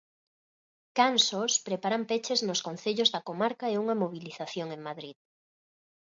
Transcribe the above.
Cansos, preparan peches nos concellos da comarca e unha mobilización en Madrid.